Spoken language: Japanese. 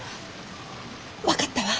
分かったわ。